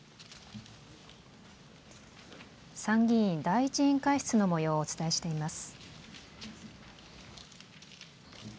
参議院第１委員会室のもようをお伝えしています。